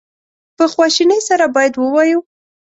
په خواشینی سره باید ووایو.